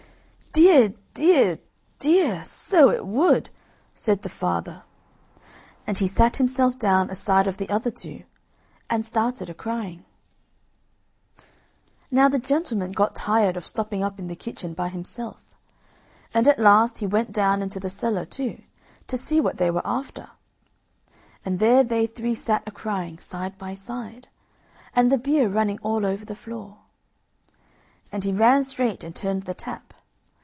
"Dear, dear, dear! so it would!" said the father, and he sat himself down aside of the other two, and started a crying. Now the gentleman got tired of stopping up in the kitchen by himself, and at last he went down into the cellar too, to see what they were after; and there they three sat a crying side by side, and the beer running all over the floor. And he ran straight and turned the tap.